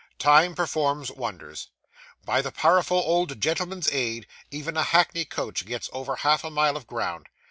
Time performs wonders. By the powerful old gentleman's aid, even a hackney coach gets over half a mile of ground.